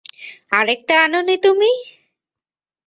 আরেকটা আনোনি তুমি?